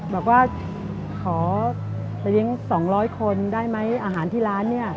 บอกว่าขอไปเลี้ยง๒๐๐คนได้ไหมอาหารที่ร้านเนี่ย